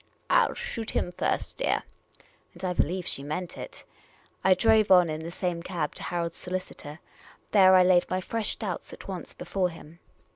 " I '11 shoot him first, dear." And I believe she meant it. I drove on in the same cab to Harold's solicitor. There I laid my fresh doubts at once before him.